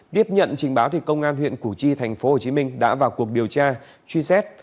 điếp nhận trình báo công an huyện củ chi thành phố hồ chí minh đã vào cuộc điều tra truy xét